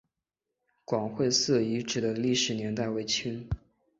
广惠寺遗址的历史年代为清。